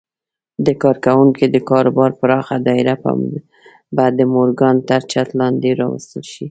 د کارنګي د کاروبار پراخه دايره به د مورګان تر چت لاندې راوستل شي.